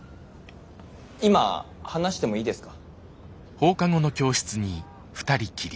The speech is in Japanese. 今話してもいいですか？